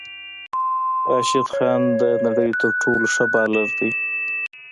راشد خان د نړی تر ټولو ښه بالر دی